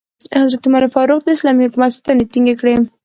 حضرت عمر فاروق د اسلامي حکومت ستنې ټینګې کړې.